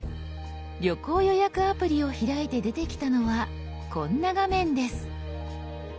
旅行予約アプリを開いて出てきたのはこんな画面です。